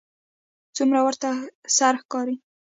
څومره ورته سره ښکاري